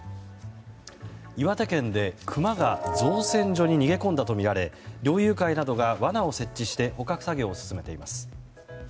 岩手県でクマが造船所に逃げ込んだとみられ猟友会などが罠を設置して捕獲作業を進めています。